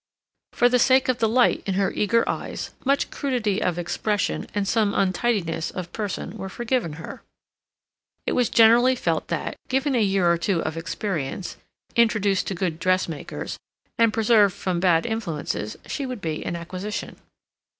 For the sake of the light in her eager eyes, much crudity of expression and some untidiness of person were forgiven her. It was generally felt that, given a year or two of experience, introduced to good dressmakers, and preserved from bad influences, she would be an acquisition.